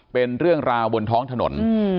เป็นเรื่องราวบนท้องถนน